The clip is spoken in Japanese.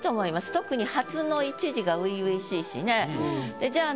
特に「初」の１字が初々しいしね。